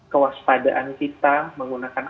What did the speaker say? kewaspadaan kita menggunakan